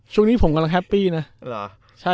ช่วงนี้ผมกำลังแฮปปี้นะ